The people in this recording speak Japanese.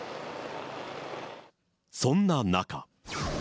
そんな中。